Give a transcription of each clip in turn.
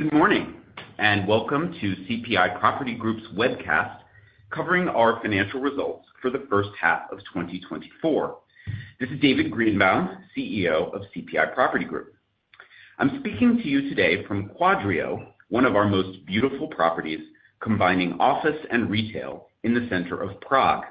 Good morning, and welcome to CPI Property Group's webcast covering our financial results for the first half of 2024. This is David Greenbaum, CEO of CPI Property Group. I'm speaking to you today from Quadrio, one of our most beautiful properties combining office and retail in the center of Prague.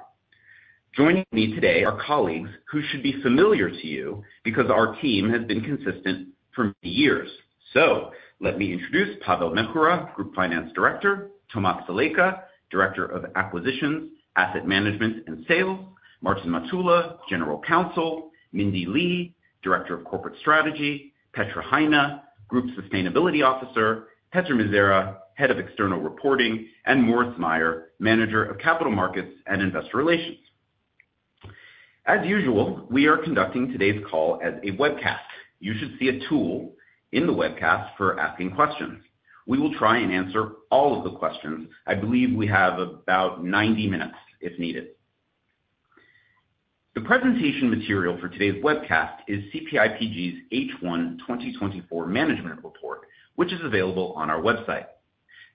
Joining me today are colleagues who should be familiar to you because our team has been consistent for years. So let me introduce Pavel Měchura, Group Finance Director, Tomáš Salajka, Director of Acquisitions, Asset Management, and Sales, Martin Matula, General Counsel, Mindee Lee, Director of Corporate Strategy, Petra Hajná, Group Sustainability Officer, Petr Mizera, Head of External Reporting, and Moritz Mayer, Manager of Capital Markets and Investor Relations. As usual, we are conducting today's call as a webcast. You should see a tool in the webcast for asking questions. We will try and answer all of the questions. I believe we have about 90 minutes if needed. The presentation material for today's webcast is CPIPG's H1 2024 management report, which is available on our website.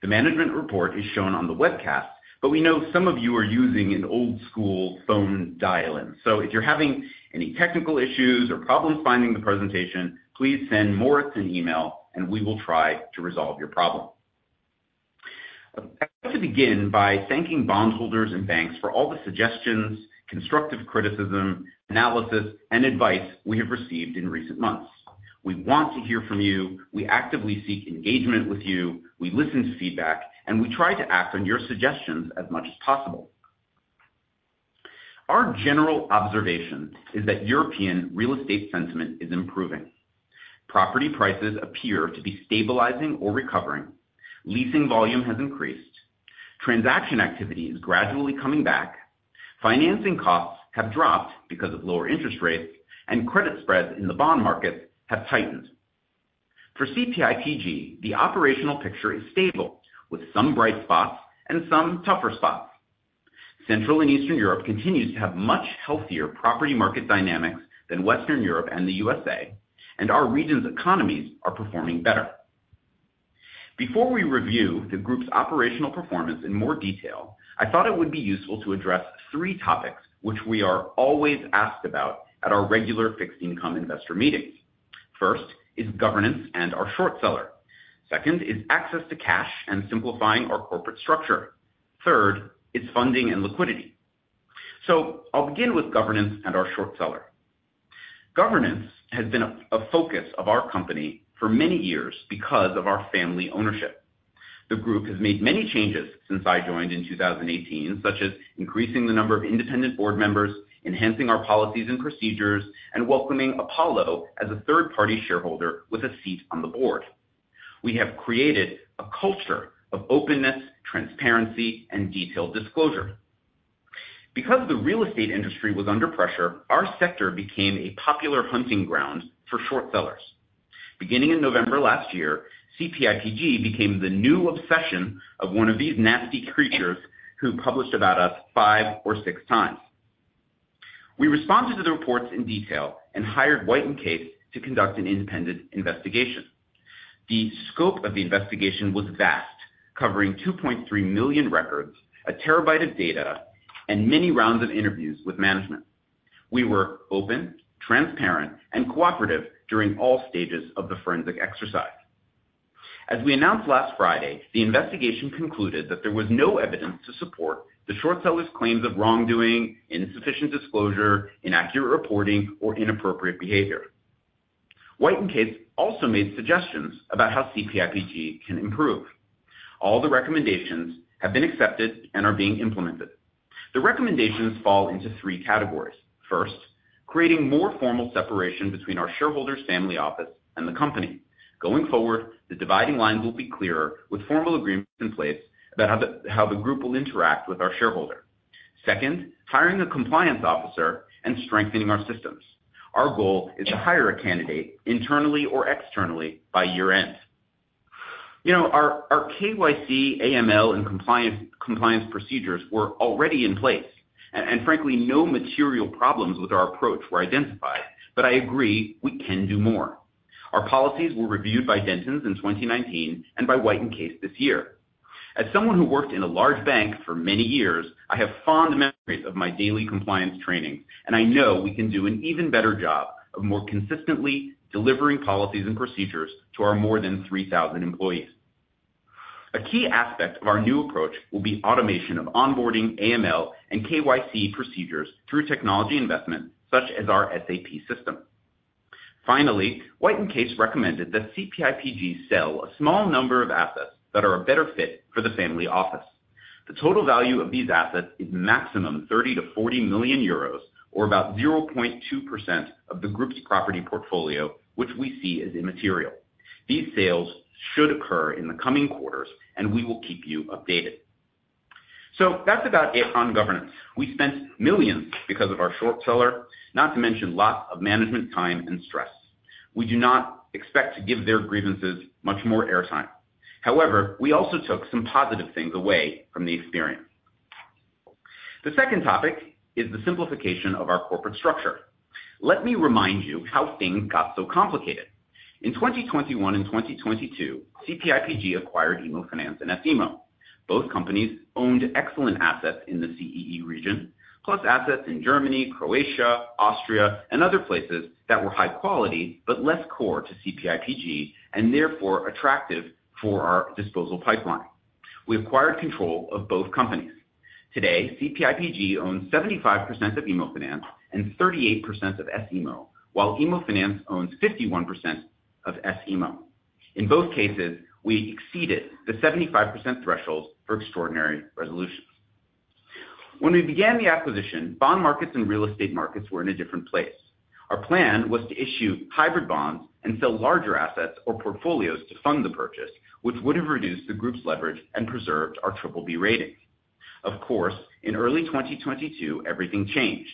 The management report is shown on the webcast, but we know some of you are using an old school phone dial-in. So if you're having any technical issues or problems finding the presentation, please send Moritz an email, and we will try to resolve your problem. I'd like to begin by thanking bondholders and banks for all the suggestions, constructive criticism, analysis, and advice we have received in recent months. We want to hear from you. We actively seek engagement with you, we listen to feedback, and we try to act on your suggestions as much as possible. Our general observation is that European real estate sentiment is improving. Property prices appear to be stabilizing or recovering. Leasing volume has increased. Transaction activity is gradually coming back. Financing costs have dropped because of lower interest rates, and credit spreads in the bond market have tightened. For CPIPG, the operational picture is stable, with some bright spots and some tougher spots. Central and Eastern Europe continues to have much healthier property market dynamics than Western Europe and the U.S.A., and our region's economies are performing better. Before we review the group's operational performance in more detail, I thought it would be useful to address three topics which we are always asked about at our regular fixed income investor meetings. First is governance and our short seller. Second is access to cash and simplifying our corporate structure. Third is funding and liquidity. So I'll begin with governance and our short seller. Governance has been a focus of our company for many years because of our family ownership. The group has made many changes since I joined in 2018, such as increasing the number of independent board members, enhancing our policies and procedures, and welcoming Apollo as a third-party shareholder with a seat on the board. We have created a culture of openness, transparency, and detailed disclosure. Because the real estate industry was under pressure, our sector became a popular hunting ground for short sellers. Beginning in November last year, CPIPG became the new obsession of one of these nasty creatures, who published about us five or six times. We responded to the reports in detail and hired White & Case to conduct an independent investigation. The scope of the investigation was vast, covering 2.3 million records, a terabyte of data, and many rounds of interviews with management. We were open, transparent, and cooperative during all stages of the forensic exercise. As we announced last Friday, the investigation concluded that there was no evidence to support the short seller's claims of wrongdoing, insufficient disclosure, inaccurate reporting, or inappropriate behavior. White & Case also made suggestions about how CPIPG can improve. All the recommendations have been accepted and are being implemented. The recommendations fall into three categories. First, creating more formal separation between our shareholder's family office and the company. Going forward, the dividing line will be clearer, with formal agreements in place about how the group will interact with our shareholder. Second, hiring a compliance officer and strengthening our systems. Our goal is to hire a candidate, internally or externally, by year-end. You know, our KYC, AML, and compliance procedures were already in place, and frankly, no material problems with our approach were identified, but I agree we can do more. Our policies were reviewed by Dentons in 2019 and by White & Case this year. As someone who worked in a large bank for many years, I have fond memories of my daily compliance training, and I know we can do an even better job of more consistently delivering policies and procedures to our more than 3,000 employees. A key aspect of our new approach will be automation of onboarding, AML, and KYC procedures through technology investment, such as our SAP system. Finally, White & Case recommended that CPIPG sell a small number of assets that are a better fit for the family office. The total value of these assets is maximum 30 million-40 million euros or about 0.2% of the group's property portfolio which we see as immaterial. These sales should occur in the coming quarters, and we will keep you updated. So that's about it on governance. We spent millions because of our short seller, not to mention lots of management time and stress. We do not expect to give their grievances much more airtime. However, we also took some positive things away from the experience. The second topic is the simplification of our corporate structure. Let me remind you how things got so complicated. In 2021 and 2022, CPIPG acquired IMMOFINANZ and S IMMO. Both companies owned excellent assets in the CEE region, plus assets in Germany, Croatia, Austria, and other places that were high quality but less core to CPIPG and therefore attractive for our disposal pipeline. We acquired control of both companies. Today, CPIPG owns 75% of IMMOFINANZ and 38% of S IMMO, while IMMOFINANZ owns 51% of S IMMO. In both cases, we exceeded the 75% threshold for extraordinary resolutions. When we began the acquisition, bond markets and real estate markets were in a different place. Our plan was to issue hybrid bonds and sell larger assets or portfolios to fund the purchase, which would have reduced the group's leverage and preserved our BBB rating. Of course, in early 2022, everything changed.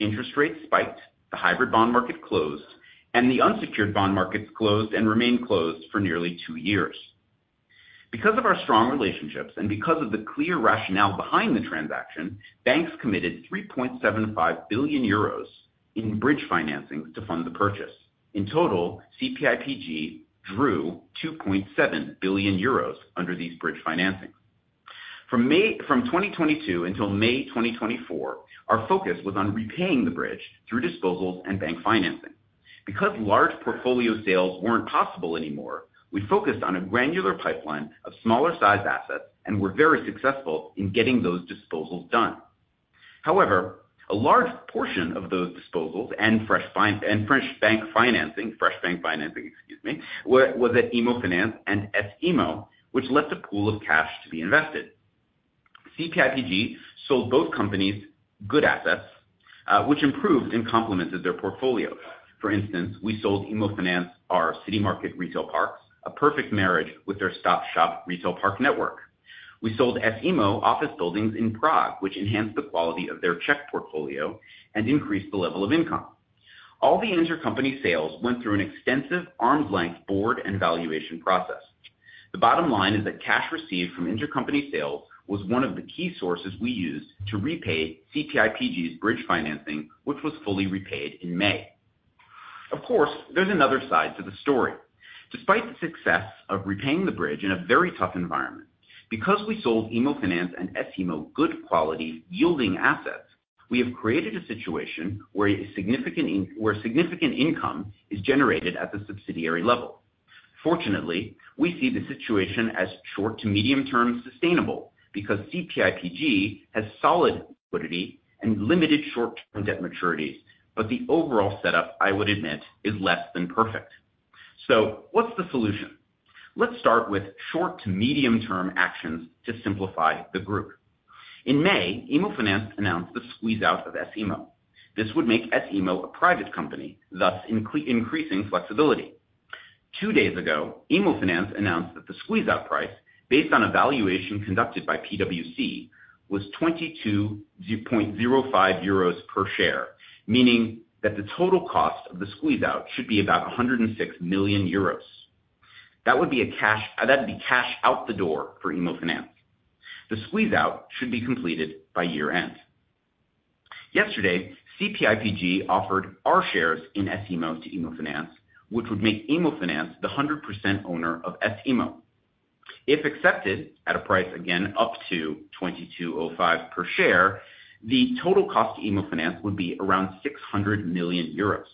Interest rates spiked. The hybrid bond market closed, and the unsecured bond markets closed and remained closed for nearly two years. Because of our strong relationships and because of the clear rationale behind the transaction, banks committed 3.75 billion euros in bridge financing to fund the purchase. In total, CPIPG drew 2.7 billion euros under these bridge financings. From 2022 until May 2024, our focus was on repaying the bridge through disposals and bank financing. Because large portfolio sales weren't possible anymore, we focused on a granular pipeline of smaller size assets and were very successful in getting those disposals done. However, a large portion of those disposals and fresh bank financing was at IMMOFINANZ and S IMMO, which left a pool of cash to be invested. CPIPG sold both companies good assets which improved and complemented their portfolios. For instance, we sold IMMOFINANZ our CityMarket retail parks, a perfect marriage with their STOP SHOP retail park network. We sold S IMMO office buildings in Prague, which enhanced the quality of their Czech portfolio and increased the level of income. All the intercompany sales went through an extensive arm's-length board and valuation process. The bottom line is that cash received from intercompany sales was one of the key sources we used to repay CPIPG's bridge financing, which was fully repaid in May. Of course, there's another side to the story. Despite the success of repaying the bridge in a very tough environment, because we sold IMMOFINANZ and S IMMO good-quality yielding assets, we have created a situation where significant income is generated at the subsidiary level. Fortunately, we see the situation as short- to medium-term sustainable because CPIPG has solid liquidity and limited short-term debt maturities, but the overall setup, I would admit, is less than perfect. So what's the solution? Let's start with short- to medium-term actions to simplify the group. In May, IMMOFINANZ announced the squeeze-out of S IMMO. This would make S IMMO a private company, thus increasing flexibility. Two days ago, IMMOFINANZ announced that the squeeze-out price, based on a valuation conducted by PwC, was 22.05 euros per share, meaning that the total cost of the squeeze-out should be about 106 million euros. That would be a cash, that'd be cash out the door for IMMOFINANZ. The squeeze-out should be completed by year-end. Yesterday, CPIPG offered our shares in S IMMO to IMMOFINANZ, which would make IMMOFINANZ the 100% owner of S IMMO. If accepted, at a price, again, up to 22.05 per share, the total cost to IMMOFINANZ would be around 600 million euros.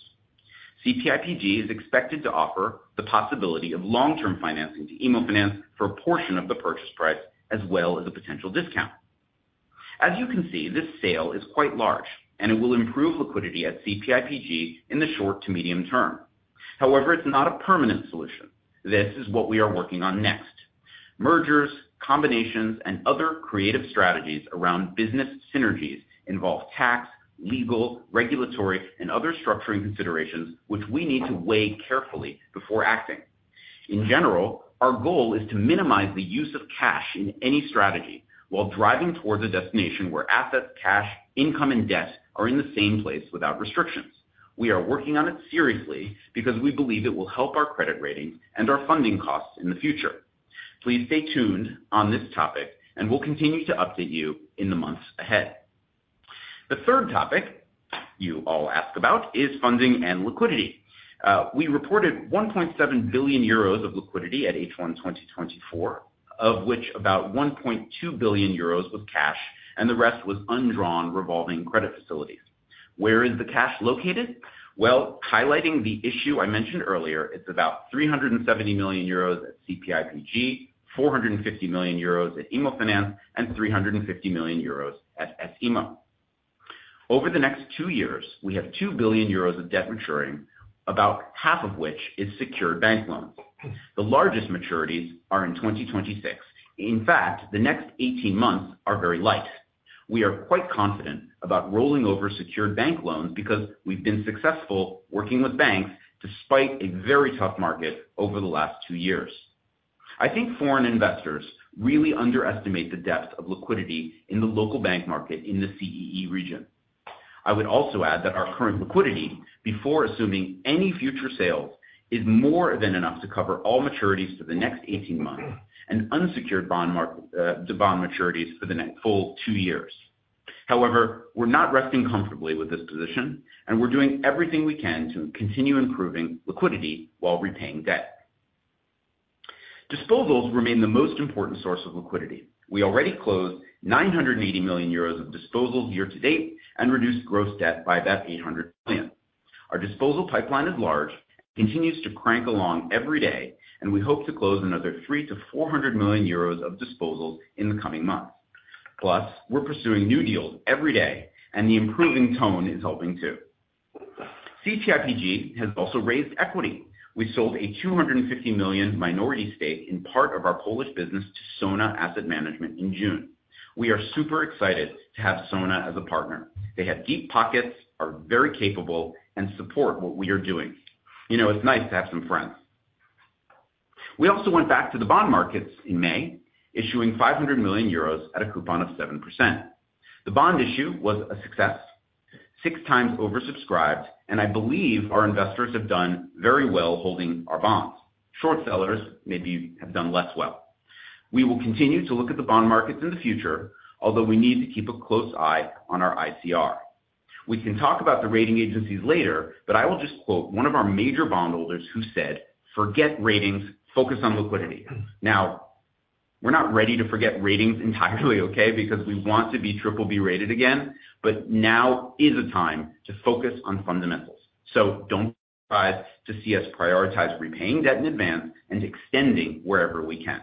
CPIPG is expected to offer the possibility of long-term financing to IMMOFINANZ for a portion of the purchase price as well as a potential discount. As you can see, this sale is quite large, and it will improve liquidity at CPIPG in the short to medium term. However, it's not a permanent solution. This is what we are working on next. Mergers, combinations, and other creative strategies around business synergies involve tax, legal, regulatory, and other structuring considerations which we need to weigh carefully before acting. In general, our goal is to minimize the use of cash in any strategy while driving towards a destination where assets, cash, income, and debt are in the same place without restrictions. We are working on it seriously because we believe it will help our credit rating and our funding costs in the future. Please stay tuned on this topic, and we'll continue to update you in the months ahead. The third topic you all ask about is funding and liquidity. We reported 1.7 billion euros of liquidity at H1 2024, of which about 1.2 billion euros was cash, and the rest was undrawn revolving credit facilities. Where is the cash located? Highlighting the issue I mentioned earlier, it's about 370 million euros at CPIPG, 450 million euros at IMMOFINANZ, and 350 million euros at S IMMO. Over the next two years, we have 2 billion euros of debt maturing, about half of which is secured bank loans. The largest maturities are in 2026. In fact, the next 18 months are very light. We are quite confident about rolling over secured bank loans because we've been successful working with banks despite a very tough market over the last two years. I think foreign investors really underestimate the depth of liquidity in the local bank market in the CEE region. I would also add that our current liquidity, before assuming any future sale, is more than enough to cover all maturities for the next 18 months and unsecured bond maturities for the next full two years. However, we're not resting comfortably with this position, and we're doing everything we can to continue improving liquidity while repaying debt. Disposals remain the most important source of liquidity. We already closed 980 million euros of disposals year-to-date and reduced gross debt by about 800 million. Our disposal pipeline is large, continues to crank along every day, and we hope to close another 300 million-400 million euros of disposals in the coming months. Plus, we're pursuing new deals every day, and the improving tone is helping too. CPIPG has also raised equity. We sold a 250 million minority stake in part of our Polish business to Sona Asset Management in June. We are super excited to have Sona as a partner. They have deep pockets, are very capable, and support what we are doing. You know, it's nice to have some friends. We also went back to the bond markets in May, issuing 500 million euros at a coupon of 7%. The bond issue was a success, 6x oversubscribed, and I believe our investors have done very well holding our bonds. Short sellers maybe have done less well. We will continue to look at the bond markets in the future, although we need to keep a close eye on our ICR. We can talk about the rating agencies later, but I will just quote one of our major bondholders, who said, "Forget ratings. Focus on liquidity." Now, we're not ready to forget ratings entirely, okay, because we want to be BBB rated again, but now is a time to focus on fundamentals, so don't try to see us prioritize repaying debt in advance and extending wherever we can.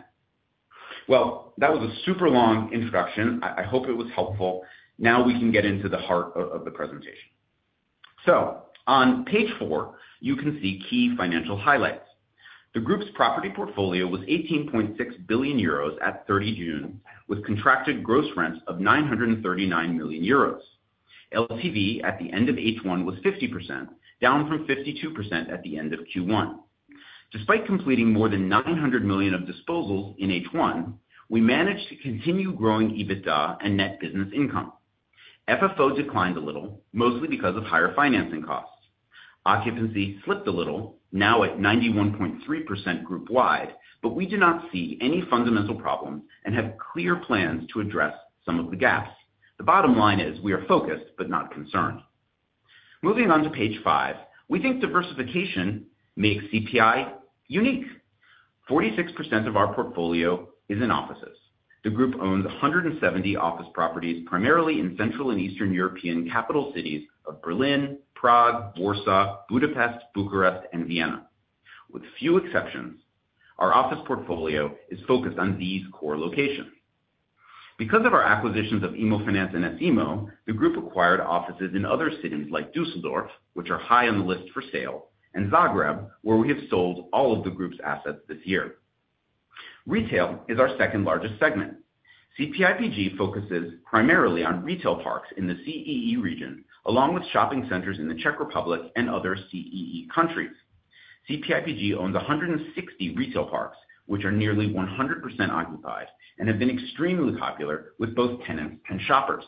That was a super long introduction. I hope it was helpful. Now we can get into the heart of the presentation. On page four, you can see key financial highlights. The group's property portfolio was 18.6 billion euros at 30 June, with contracted gross rents of 939 million euros. LTV at the end of H1 was 50%, down from 52% at the end of Q1. Despite completing more than 900 million of disposals in H1, we managed to continue growing EBITDA and net business income. FFO declined a little, mostly because of higher financing costs. Occupancy slipped a little, now at 91.3% group-wide, but we do not see any fundamental problem and have clear plans to address some of the gaps. The bottom line is we are focused but not concerned. Moving on to page five. We think diversification makes CPI unique. 46% of our portfolio is in offices. The group owns 170 office properties, primarily in Central and Eastern European capital cities of Berlin, Prague, Warsaw, Budapest, Bucharest, and Vienna. With few exceptions, our office portfolio is focused on these core locations. Because of our acquisitions of IMMOFINANZ and S IMMO, the group acquired offices in other cities like Düsseldorf which are high on the list for sale; and Zagreb, where we have sold all of the group's assets this year. Retail is our second largest segment. CPIPG focuses primarily on retail parks in the CEE region, along with shopping centers in the Czech Republic and other CEE countries. CPIPG owns 160 retail parks, which are nearly 100% occupied and have been extremely popular with both tenants and shoppers.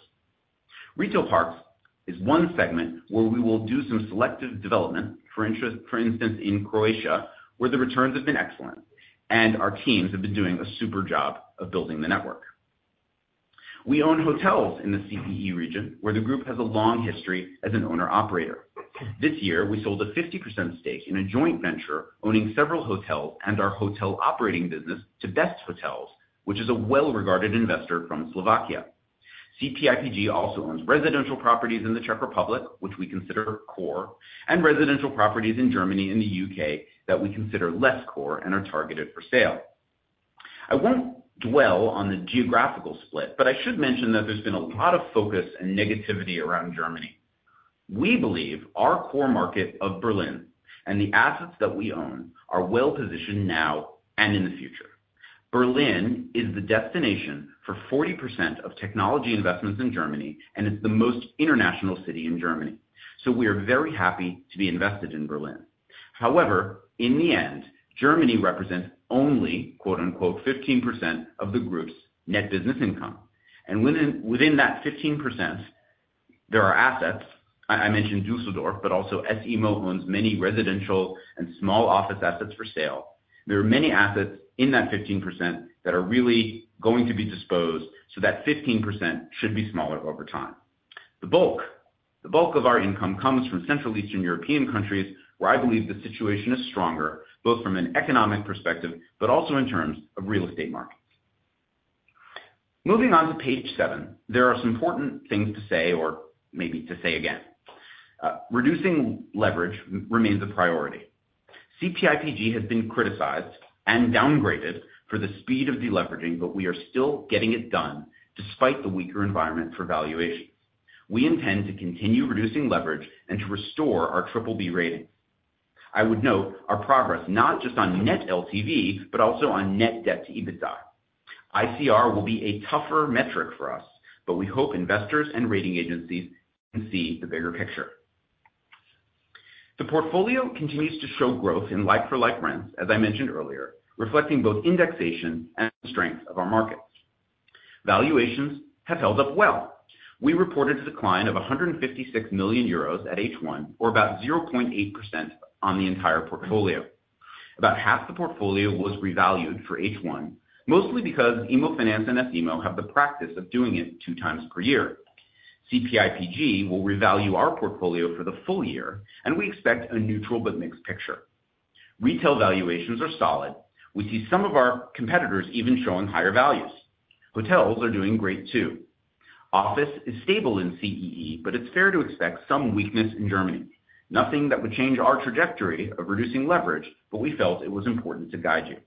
Retail parks is one segment where we will do some selective development, for instance, in Croatia, where the returns have been excellent, and our teams have been doing a super job of building the network. We own hotels in the CEE region, where the group has a long history as an owner-operator. This year, we sold a 50% stake in a joint venture owning several hotels and our hotel operating business to Best Hotel Properties, which is a well-regarded investor from Slovakia. CPIPG also owns residential properties in the Czech Republic, which we consider core, and residential properties in Germany and the U.K. that we consider less core and are targeted for sale. I won't dwell on the geographical split, but I should mention that there's been a lot of focus and negativity around Germany. We believe our core market of Berlin and the assets that we own are well positioned now and in the future. Berlin is the destination for 40% of technology investments in Germany, and it's the most international city in Germany. So we are very happy to be invested in Berlin. However, in the end, Germany represents only, quote, unquote, 15% of the group's net business income. Within that 15%, there are assets. I mentioned Düsseldorf, but also S IMMO owns many residential and small office assets for sale. There are many assets in that 15% that are really going to be disposed, so that 15% should be smaller over time. The bulk of our income comes from Central and Eastern European countries, where I believe the situation is stronger both from an economic perspective but also in terms of real estate markets. Moving on to page seven, there are some important things to say or maybe to say again. Reducing leverage remains a priority. CPIPG has been criticized and downgraded for the speed of deleveraging, but we are still getting it done despite the weaker environment for valuation. We intend to continue reducing leverage and to restore our BBB rating. I would note our progress not just on net LTV but also on net debt-to-EBITDA. ICR will be a tougher metric for us, but we hope investors and rating agencies can see the bigger picture. The portfolio continues to show growth in like-for-like rents, as I mentioned earlier, reflecting both indexation and strength of our markets. Valuations have held up well. We reported a decline of 156 million euros at H1 or about 0.8% on the entire portfolio. About half the portfolio was revalued for H1, mostly because IMMOFINANZ and S IMMO have the practice of doing it two times per year. CPIPG will revalue our portfolio for the full year, and we expect a neutral but mixed picture. Retail valuations are solid. We see some of our competitors even showing higher values. Hotels are doing great, too. Office is stable in CEE, but it's fair to expect some weakness in Germany. Nothing that would change our trajectory of reducing leverage, but we felt it was important to guide you.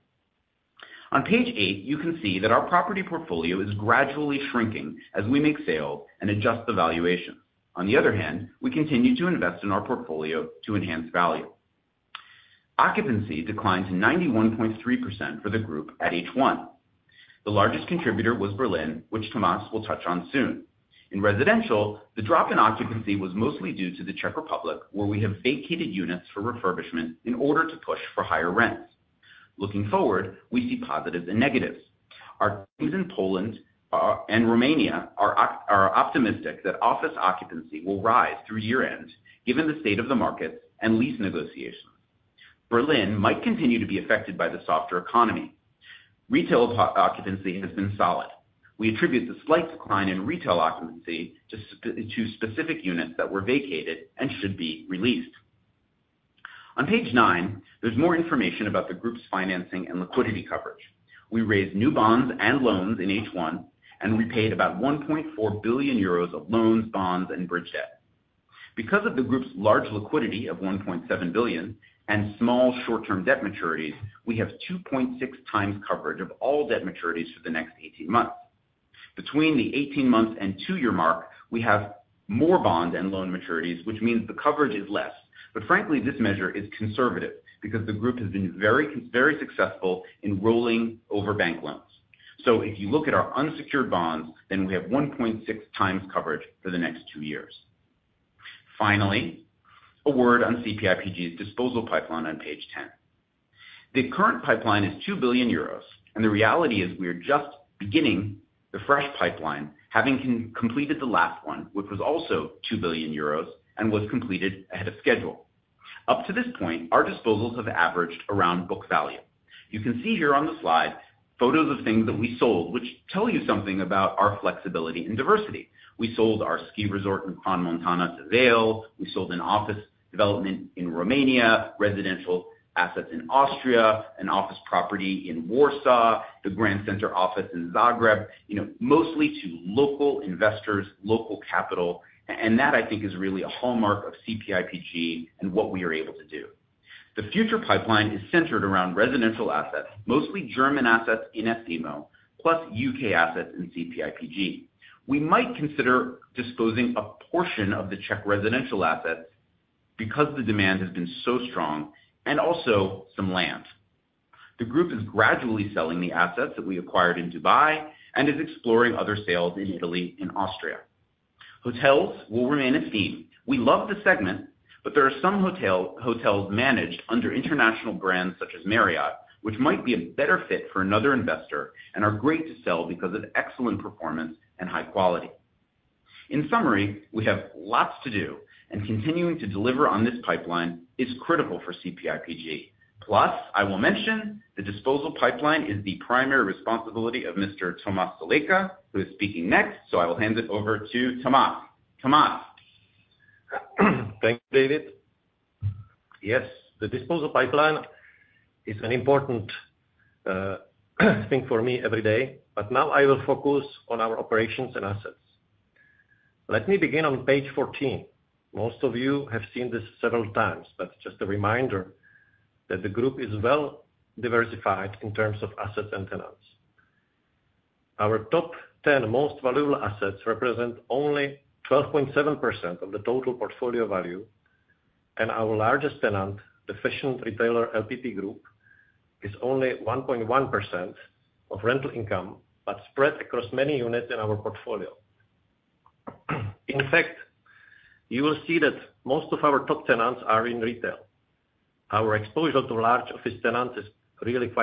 On page eight, you can see that our property portfolio is gradually shrinking as we make sales and adjust the valuation. On the other hand, we continue to invest in our portfolio to enhance value. Occupancy declined to 91.3% for the group at H1. The largest contributor was Berlin, which Tomáš will touch on soon. In residential, the drop in occupancy was mostly due to the Czech Republic, where we have vacated units for refurbishment in order to push for higher rents. Looking forward, we see positives and negatives. Our teams in Poland and Romania are optimistic that office occupancy will rise through year-end, given the state of the markets and lease negotiations. Berlin might continue to be affected by the softer economy. Retail occupancy has been solid. We attribute the slight decline in retail occupancy to specific units that were vacated and should be re-leased. On page nine, there's more information about the group's financing and liquidity coverage. We raised new bonds and loans in H1, and we paid about 1.4 billion euros of loans, bonds, and bridge debt. Because of the group's large liquidity of 1.7 billion and small short-term debt maturities, we have 2.6x coverage of all debt maturities for the next 18 months. Between the 18-month and two-year mark, we have more bond and loan maturities, which means the coverage is less, but frankly, this measure is conservative because the group has been very successful in rolling over bank loans. So if you look at our unsecured bonds, then we have 1.6x coverage for the next two years. Finally, a word on CPIPG's disposal pipeline on page 10. The current pipeline is 2 billion euros, and the reality is we are just beginning the fresh pipeline, having completed the last one, which was also 2 billion euros and was completed ahead of schedule. Up to this point, our disposals have averaged around book value. You can see here on the slide photos of things that we sold, which tell you something about our flexibility and diversity. We sold our ski resort in Crans-Montana to Vail. We sold an office development in Romania, residential assets in Austria, an office property in Warsaw, the Grand Center office in Zagreb, you know, mostly to local investors, local capital, and that, I think, is really a hallmark of CPIPG and what we are able to do. The future pipeline is centered around residential assets, mostly German assets in S IMMO, plus U.K. assets in CPIPG. We might consider disposing a portion of the Czech residential assets, because the demand has been so strong, and also some land. The group is gradually selling the assets that we acquired in Dubai and is exploring other sales in Italy and Austria. Hotels will remain a theme. We love the segment, but there are some hotels managed under international brands such as Marriott which might be a better fit for another investor and are great to sell because of excellent performance and high quality. In summary, we have lots to do, and continuing to deliver on this pipeline is critical for CPIPG. Plus, I will mention the disposal pipeline is the primary responsibility of Mr. Tomáš Salajka, who is speaking next. So I will hand it over to Tomáš. Tomáš? Thank you, David. Yes, the disposal pipeline is an important thing for me every day, but now I will focus on our operations and assets. Let me begin on page 14. Most of you have seen this several times, but just a reminder that the group is well diversified in terms of assets and tenants. Our top 10 most valuable assets represent only 12.7% of the total portfolio value, and our largest tenant, the fashion retailer LPP Group, is only 1.1% of rental income but spread across many units in our portfolio. In fact, you will see that most of our top tenants are in retail. Our exposure to large office tenants is really.